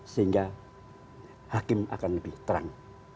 sehingga hakim akan lebih terang